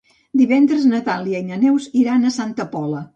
Divendres na Dàlia i na Neus iran a Santa Pola.